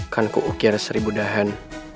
kan ku ukir seribu dahan